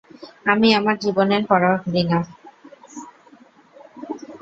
আমি আমার জীবনের পরোয়া করি না।